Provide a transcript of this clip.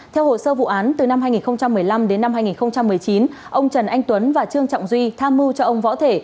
theo hồ sơ vụ án từ năm hai nghìn một mươi năm đến năm hai nghìn một mươi chín ông trần anh tuấn và trương trọng duy tham mưu cho ông võ thể